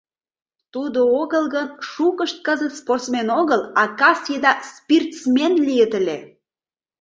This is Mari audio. Тудо огыл гын, шукышт кызыт спортсмен огыл, а кас еда «спиртсмен» лийыт ыле.